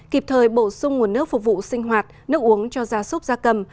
kịp thời bổ sung nguồn nước phục vụ sinh hoạt nước uống cho gia súc gia cầm